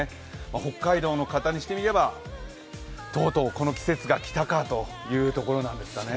北海道の方にしてみればとうとう、この季節が来たかというところなんですかね。